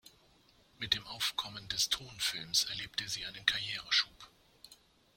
Mit dem Aufkommen des Tonfilms erlebte sie einen Karriereschub.